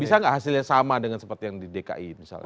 bisa nggak hasilnya sama dengan seperti yang di dki misalnya